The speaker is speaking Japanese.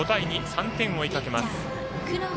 ３点を追いかけます。